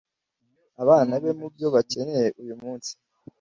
abana be mu byo bakeneye uyu munsi